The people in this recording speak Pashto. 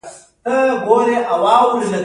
• سترګې د نورو لپاره زموږ د جذباتو څرګندوي.